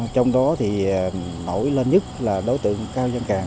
trong đó thì nổi lên nhất là đối tượng cao giang càng